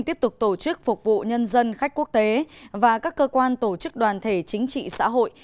tiếp tục tổ chức phục vụ nhân dân khách quốc tế và các cơ quan tổ chức đoàn thể chính trị xã hội